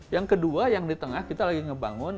yang kedua yang di tengah kita lagi ngebangun